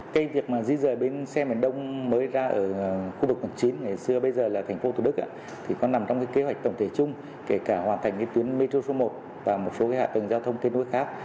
cái việc mà di rời bến xe miền đông mới ra ở khu vực quảng chín ngày xưa bây giờ là thành phố thủ đức thì có nằm trong cái kế hoạch tổng thể chung kể cả hoàn thành cái tuyến metro số một và một số hạ tầng giao thông kết nối khác